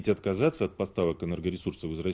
menolak penyelesaian energi dari rusia